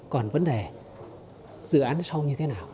còn vấn đề dự án sau như thế nào